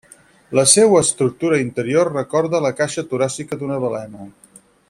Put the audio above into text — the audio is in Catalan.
La seua estructura interior recorda la caixa toràcica d'una balena.